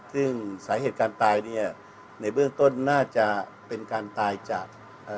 ซึ่งสาเหตุการตายเนี่ยในเบื้องต้นน่าจะเป็นการตายจากเอ่อ